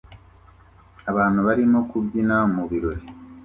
Abantu barimo kubyina mu birori